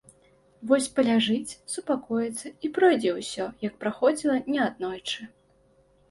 Вось паляжыць, супакоіцца, і пройдзе ўсё, як праходзіла неаднойчы.